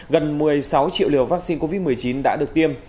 gần một mươi sáu triệu liều vaccine covid một mươi chín đã được tiêm